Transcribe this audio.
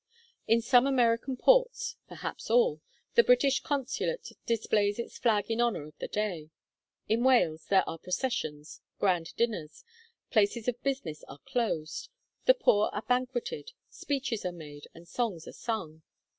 In some American ports (perhaps all) the British consulate displays its flag in honour of the day. In Wales there are processions, grand dinners; places of business are closed; the poor are banqueted; speeches are made and songs are sung.